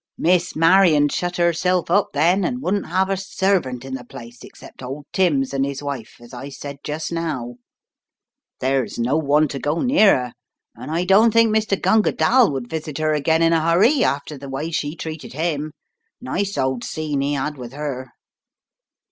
Miss Marion shut herself up then, and wouldn't 'ave a servant in the place except old Timms and his wife, as I said just now. There's no one to go near her, and I don't think Mr. Gunga DaU would visit her again in a hurry after the way she treated him. Nice old scene he had with 'er."